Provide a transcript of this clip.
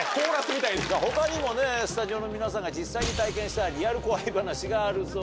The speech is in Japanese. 他にもスタジオの皆さんが実際に体験したリアル怖い話があるそうです。